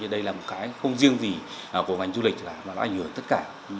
đây là một cái không riêng gì của ngành du lịch là nó ảnh hưởng tất cả